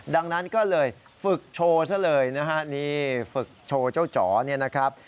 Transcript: ดังนั้นก็เลยฝึกโชว์ซะเลยนะฮะนี่ฝึกโชว์เจ้าจ๋อเนี่ยนะครับ